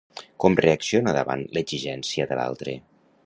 Com reacciona davant l'exigència de l'altre?